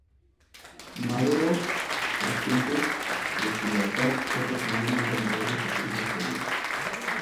Madero, consciente de su lealtad, fue personalmente a Morelos a pedirle su ayuda.